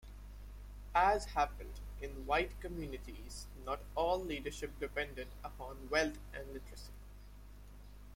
As happened in white communities, not all leadership depended upon wealth and literacy.